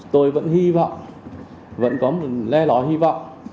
tôi vẫn hy vọng vẫn có lè ló hy vọng